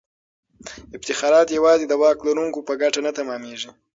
افتخارات یوازې د واک لرونکو په ګټه نه تمامیږي.